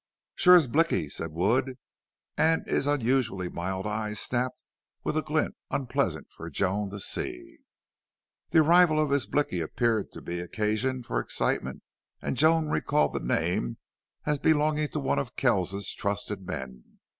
"Shore is Blicky!" said Wood, and his unusually mild eyes snapped with a glint unpleasant for Joan to see. The arrival of this Blicky appeared to be occasion for excitement and Joan recalled the name as belonging to one of Kells's trusted men.